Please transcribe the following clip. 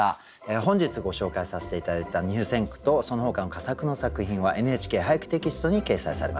本日ご紹介させて頂いた入選句とそのほかの佳作の作品は「ＮＨＫ俳句テキスト」に掲載されます。